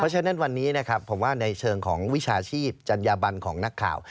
ฉะนั้นวันนี้นะครับผมว่าในเชิงของวิชาชีพจัญญาบันของนักข่าว